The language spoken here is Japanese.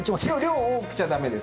量多くちゃ駄目です。